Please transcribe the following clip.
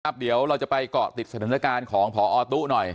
เดี๋ยวเราจะไปเกาะติดสถานการณ์ของพอตู้หน่อย